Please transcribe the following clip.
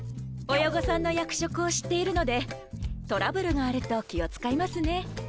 親御さんの役職を知っているのでトラブルがあると気を遣いますね。